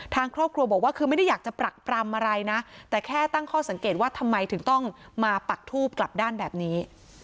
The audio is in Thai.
ทางครอบครัวบอกว่าคือไม่ได้อยากจะปรักปรำอะไรนะแต่แค่ตั้งข้อสังเกตว่าทำไมถึงต้องมาปักทูบกลับด้านแบบนี้